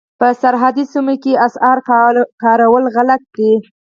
په سرحدي سیمو کې اسعار کارول غلط دي.